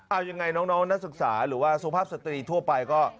เอายังไงน้องนักศึกษาหรือว่าสุภาพสตรีทั่วไปก็